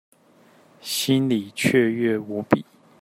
心裡雀躍無比